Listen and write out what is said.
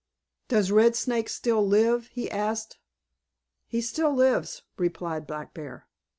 "Does Red Snake still live?" he asked. "He still lives," replied Black Bear.